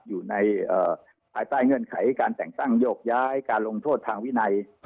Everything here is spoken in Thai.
อยู่ในภายใต้เงื่อนไขการแต่งตั้งโยกย้ายการลงโทษทางวินัย